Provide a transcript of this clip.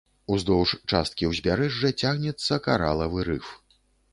Уздоўж часткі ўзбярэжжа цягнецца каралавы рыф.